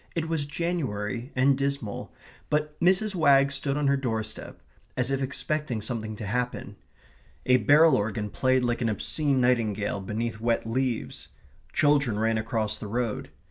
It was January and dismal, but Mrs. Wagg stood on her doorstep, as if expecting something to happen. A barrel organ played like an obscene nightingale beneath wet leaves. Children ran across the road.